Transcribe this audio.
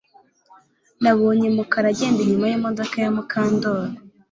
Nabonye Mukara agendera inyuma ya moto ya Mukandoli